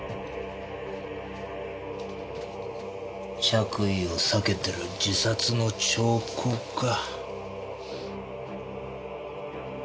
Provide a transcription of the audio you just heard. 着衣を避けてる自殺の兆候か。